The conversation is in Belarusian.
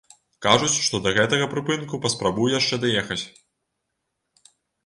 Кажуць, што да гэтага прыпынку паспрабуй яшчэ даехаць.